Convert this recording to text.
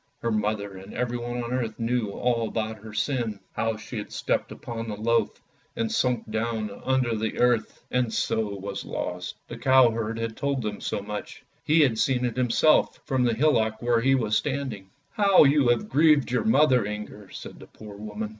Her mother and everyone on earth knew all about her sin, how she had stepped upon the loaf, and sunk down under the THE GIRL WHO TROD ON A LOAF 123 earth, and so was lost. The cow herd had told them so much; ho had seen it himself from the hillock where he was standing. " How you have grieved your mother, Inger," said the poor woman.